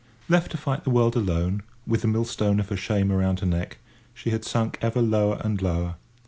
Left to fight the world alone, with the millstone of her shame around her neck, she had sunk ever lower and lower.